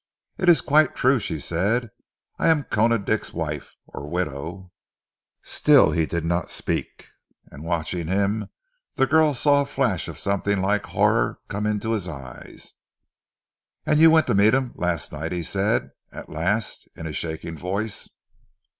"It is quite true," she said. "I am Koona Dick's wife or widow." Still he did not speak, and watching him the girl saw a flash of something like horror come into his eyes. "And you went to meet him last night?" he said, at last, in a shaking voice.